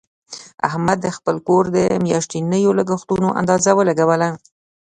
احمد د خپل کور د میاشتنیو لګښتونو اندازه ولګوله.